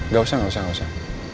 gak usah gak usah gak usah